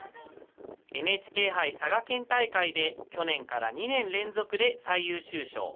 ＮＨＫ杯佐賀県大会で去年から２年連続で最優秀賞。